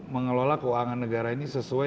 mengelola keuangan negara ini sesuai